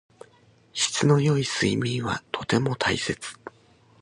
質の良い睡眠はとても大切。